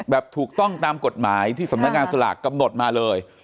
ถูกต้องตามกฎหมายที่สำนักงานสลากกำหนดมาเลย